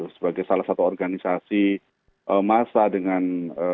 sebagai salah satu organisasi massa dengan